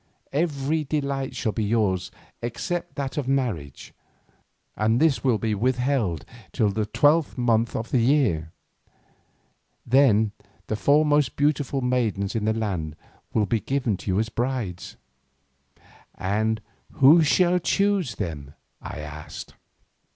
Every delight shall be yours except that of marriage, and this will be withheld till the twelfth month of the year. Then the four most beautiful maidens in the land will be given to you as brides." "And who will choose them?" I asked.